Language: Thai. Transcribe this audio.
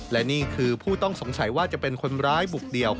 และนี่คือผู้ต้องสงสัยว่าจะเป็นคนร้ายบุกเดี่ยว